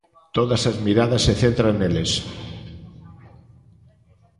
Todas as miradas se centran neles.